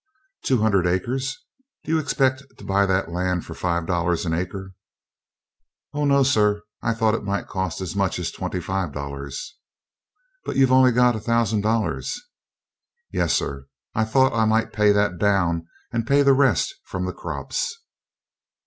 "Two hundred acres? Do you expect to buy that land for five dollars an acre?" "Oh, no, sir. I thought it might cost as much as twenty five dollars." "But you've only got a thousand dollars." "Yes, sir; I thought I might pay that down and then pay the rest from the crops."